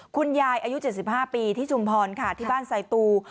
อายุ๗๕ปีที่ชุมพรค่ะที่บ้านไซตู